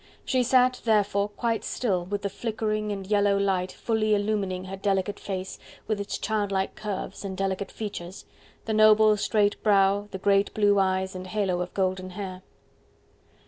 She sat, therefore, quite still with the flickering and yellow light fully illumining her delicate face, with its child like curves, and delicate features, the noble, straight brow, the great blue eyes and halo of golden hair.